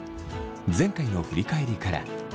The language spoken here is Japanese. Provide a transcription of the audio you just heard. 前回の振り返りから。